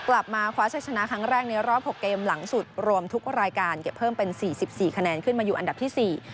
กลับมาคว้าชัยชนะครั้งแรกในรอบหกเกมหลังสุดรวมทุกรายการเก็บเพิ่มเป็น๔๔คะแนนขึ้นมาอยู่อันดับที่๔